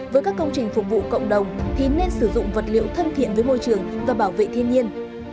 với các công trình phục vụ cộng đồng thì nên sử dụng vật liệu thân thiện với môi trường và bảo vệ thiên nhiên